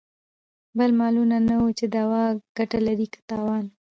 بل مالومه نه وه چې دوا ګته لري که تاوان.